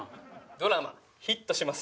ドラマヒットしますよ。